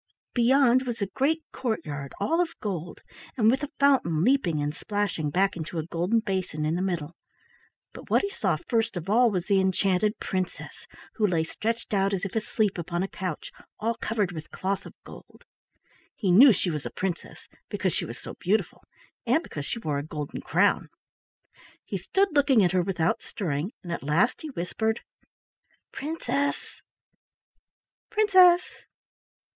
Beyond was a great courtyard all of gold, and with a fountain leaping and splashing back into a golden basin in the middle. Bet what he saw first of all was the enchanted princess, who lay stretched out as if asleep upon a couch all covered with cloth of gold. He knew she was a princess, because she was so beautiful and because she wore a golden crown. He stood looking at her without stirring, and at last he whispered: "Princess! Princess!